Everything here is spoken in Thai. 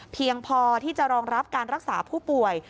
เพียงพอที่จะรองรับการรักษาผู้ป่วย